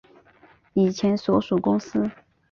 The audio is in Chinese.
以前所属公司